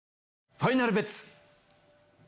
ファイナルベッツ？